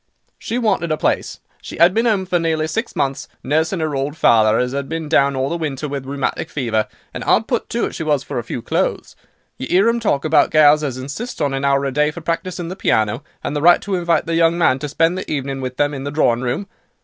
She wanted a place. She 'ad been 'ome for nearly six months, nursing 'er old father, as 'ad been down all the winter with rheumatic fever; and 'ard put to it she was for a few clothes. You 'ear 'em talk about gals as insists on an hour a day for practising the piano, and the right to invite their young man to spend the evening with them in the drawing room.